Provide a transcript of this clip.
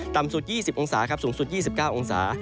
ต่ำสุด๒๐องศาครับสูงสุด๒๙องศา